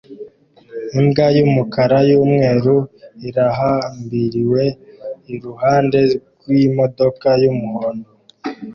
Imbwa y'umukara n'umweru irahambiriwe iruhande rw'imodoka y'umuhondo